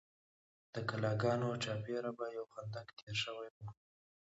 د کلاګانو چارپیره به یو خندق تیر شوی و.